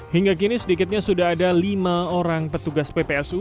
hingga kini sedikitnya sudah ada lima orang petugas ppsu